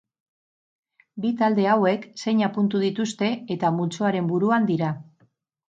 Bi talde hauek seina puntu dituzte, eta multzoaren buruan dira.